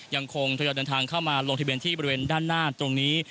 ยังคงทยอยเดินทางเข้ามาลงทะเบียนที่บริเวณด้านหน้าตรงนี้